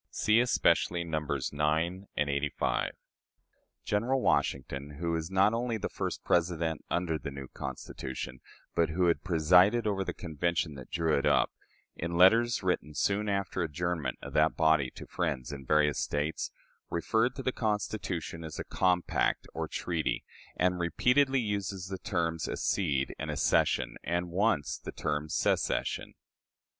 (See especially Nos. IX. and LXXXV.) General Washington who was not only the first President under the new Constitution, but who had presided over the Convention that drew it up in letters written soon after the adjournment of that body to friends in various States, referred to the Constitution as a compact or treaty, and repeatedly uses the terms "accede" and "accession," and once the term "secession."